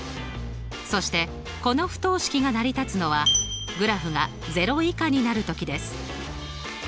そしてこの不等式が成り立つのはグラフが０以下になるときです。